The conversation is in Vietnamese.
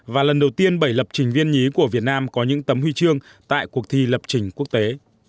và lần đầu tiên bảy lập trình viên nhí của việt nam có những tấm huy chương tại cuộc thi lập trình quốc tế